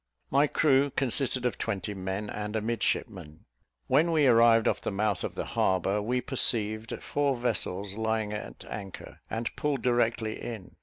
My crew consisted of twenty men and a midshipman. When we arrived off the mouth of the harbour, we perceived four vessels lying at anchor, and pulled directly in.